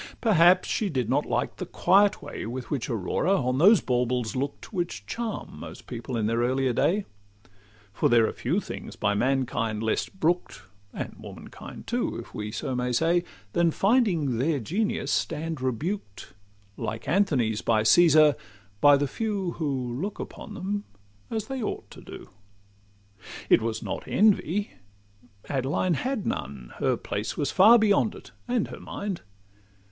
Perhaps she did not like the quiet way With which Aurora on those baubles look'd, Which charm most people in their earlier day: For there are few things by mankind less brook'd, And womankind too, if we so may say, Than finding thus their genius stand rebuked, Like 'Anthony's by Caesar,' by the few Who look upon them as they ought to do. It was not envy—Adeline had none; Her place was far beyond it, and her mind.